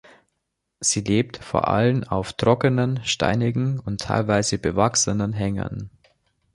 Sie lebt vor allem auf trockenen, steinigen und teilweise bewachsenen Hängen.